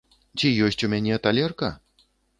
Ці ёсць у мяне талерка?